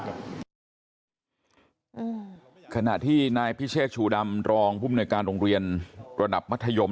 ขณะที่นายพิเชษชูดำรองภูมิในการโรงเรียนระดับมัธยม